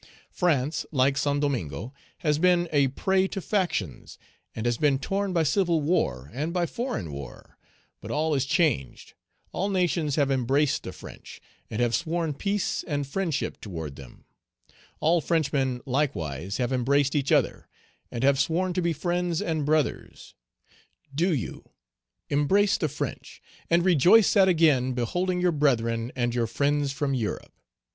"France, like Saint Domingo, has been a prey to factions, and has been torn by civil war and by foreign war; but all is changed; all nations have embraced the French, and have sworn peace and friendship toward them; all Frenchmen likewise have embraced each other, and have sworn to be friends and brothers; do you embrace the French, and rejoice at again beholding your brethren and your friends from Europe.